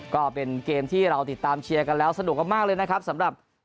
ก็เป็นเกมที่เราติดตามเชียร์กันแล้วสนุกกันมากเลยนะครับสำหรับ